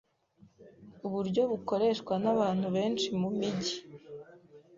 uburyo bukoreshwa n'abantu benshi mu mijyi,